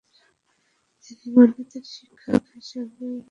তিনি গণিতের শিক্ষক হিসেবে গোট্স্টাড বেই নিডাউ স্কুলে নিয়োগ লাভ করেন।